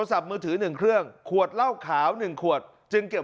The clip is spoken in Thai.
ศภาพมือถือหนึ่งเครื่องขวดเล่าขาวหนึ่งขวดจึงเก็บ